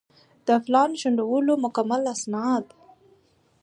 د پلان شنډولو مکمل اسناد